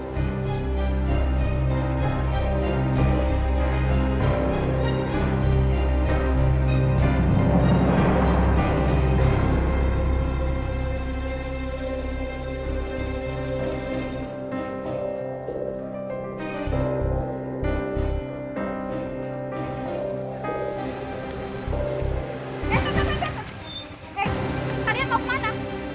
hei kalian mau kemana